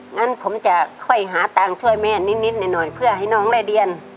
งั้นผมจะค่อยหาตังค์ช่วยแม่นิดหน่อยเพื่อให้น้องได้เรียน